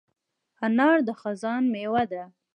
انار د خزان مېوه ده.